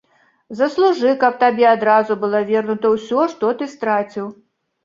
Заслужы, каб табе адразу было вернута ўсё, што ты страціў.